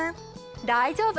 大丈夫！